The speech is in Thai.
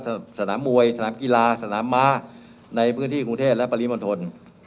ว่าสนามมวยสนามกีฬาสนามม้าบริธีกรุ่งเทพฯพลีนมันทน